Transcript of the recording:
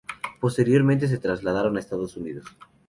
Posteriormente se trasladaron a Estados Unidos.